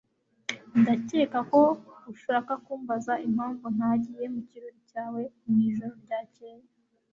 Ndakeka ko ushaka kumbaza impamvu ntagiye mu kirori cyawe mwijoro ryakeye.